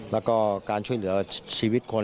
แล้วก็การช่วยเหลือชีวิตคน